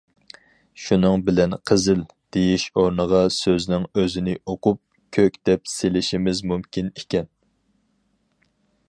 شۇنىڭ بىلەن« قىزىل» دېيىش ئورنىغا سۆزنىڭ ئۆزىنى ئوقۇپ« كۆك» دەپ سېلىشىمىز مۇمكىن ئىكەن.